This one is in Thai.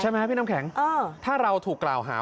พี่น้ำแข็งถ้าเราถูกกล่าวหา